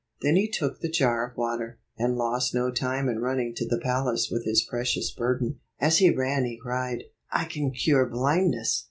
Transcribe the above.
Then he took the jar of water, and lost no time in running to the palace with his precious burden. As he ran he cried, " I can cure blindness